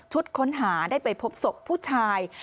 ค้นหาได้ไปพบศพผู้ชาย